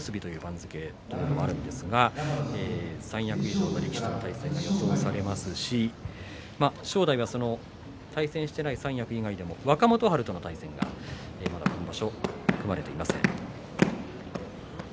３関脇４小結ですから三役以上の力士の対戦が予想されますし正代は対戦していない三役以外でも若元春との対戦がまだ組まれていません。